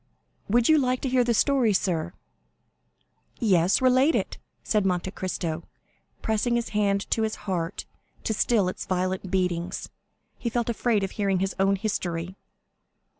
"Would you like to hear the story, sir?" "Yes; relate it," said Monte Cristo, pressing his hand to his heart to still its violent beatings; he felt afraid of hearing his own history.